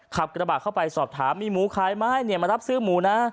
ขับกระบะเข้าไปสอบถามมีหมูขายไหมมารับซื้อหมูนะ